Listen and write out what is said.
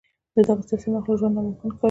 د دغه سیاسي مخلوق ژوند ناممکن ښکاري.